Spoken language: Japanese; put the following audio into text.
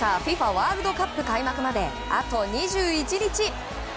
ワールドカップ開幕まであと２１日。